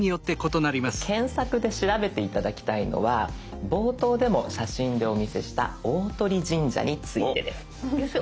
検索で調べて頂きたいのは冒頭でも写真でお見せした大鳥神社についてです。